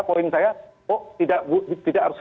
poin saya kok tidak harus